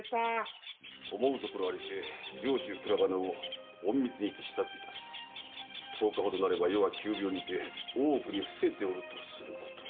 「思うところありて上州倉賀野を隠密にて視察いたす」「十日ほどなれば余は急病にて大奥に臥せておるとすること」